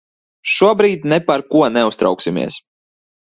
Šobrīd ne par ko neuztrauksimies.